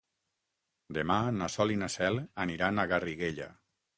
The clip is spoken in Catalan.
Demà na Sol i na Cel aniran a Garriguella.